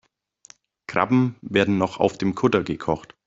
Krabben werden noch auf dem Kutter gekocht.